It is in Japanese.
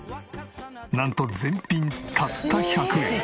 なんと全品たった１００円！